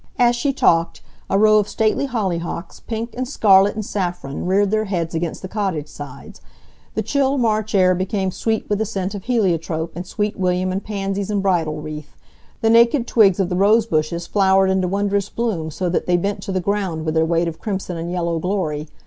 As she talked, a row of stately hollyhocks, pink, and scarlet, and saffron, reared their heads against the cottage sides. The chill March air became sweet with the scent of heliotrope, and Sweet William, and pansies, and bridal wreath. The naked twigs of the rose bushes flowered into wondrous bloom so that they bent to the ground with their weight of crimson and yellow glory.